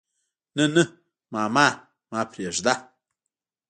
نه نه ماما ما پرېده.